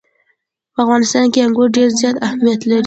په افغانستان کې انګور ډېر زیات اهمیت لري.